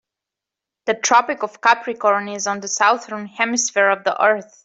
The Tropic of Capricorn is on the Southern Hemisphere of the earth.